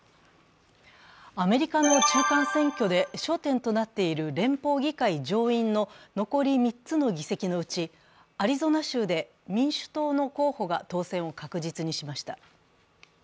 アメリカの中間選挙で焦点となっている連邦議会上院の残り３つの議席のうちアリゾナ州で民主党の候補が当選を確実にしました。